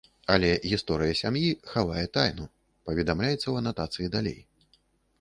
Але гісторыя сям'і хавае тайну, паведамляецца ў анатацыі далей.